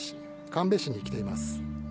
カンベ市に来ています。